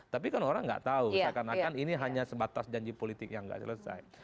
tapi kan orang nggak tahu seakan akan ini hanya sebatas janji politik yang nggak selesai